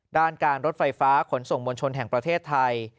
ด้านการรถไฟฟ้าขนส่งมวลชนแห่งประเทศไทย